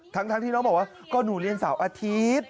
ทั้งที่น้องบอกว่าก็หนูเรียนเสาร์อาทิตย์